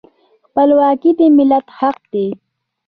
خپلواکي د ملت حق دی.